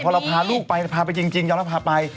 นี่แต่พอเราพาลูกไปพาไปจริงเราจะพาไป